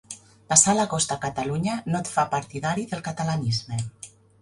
Passar l'agost a Catalunya no et fa partidari del catalanisme.